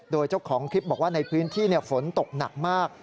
โดยเจ้าของคลิปบอกว่าในพื้นที่ฝนตกหนักมาก